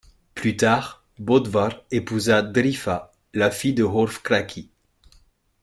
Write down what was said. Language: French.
Plus tard, Bödvarr épousa Drifa, la fille de Hrólfr kraki.